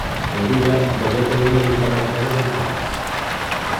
La vila degué tenir una vintena de cases habitades.